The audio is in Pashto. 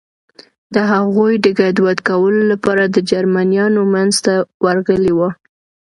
د هغوی د ګډوډ کولو لپاره د جرمنیانو منځ ته ورغلي و.